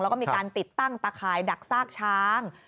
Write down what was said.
แล้วก็มีการติดตั้งตะข่ายดักซากช้าง